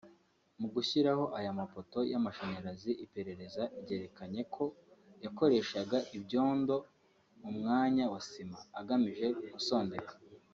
Mu gushyiraho ayo mapoto y’amashanyarazi iperereza ryerekanye ko yakoreshaga ibyondo mu mwanya wa sima agamije gusondeka